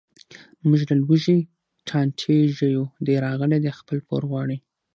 موږ له لوږې ټانټې ژویو، دی راغلی دی خپل پور غواړي.